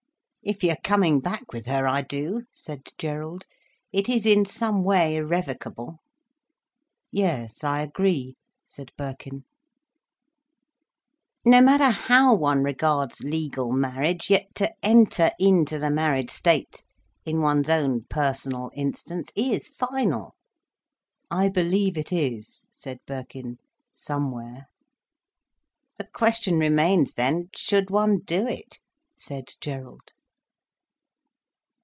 "If you're coming back with her, I do," said Gerald. "It is in some way irrevocable." "Yes, I agree," said Birkin. "No matter how one regards legal marriage, yet to enter into the married state, in one's own personal instance, is final—" "I believe it is," said Birkin, "somewhere." "The question remains then, should one do it," said Gerald.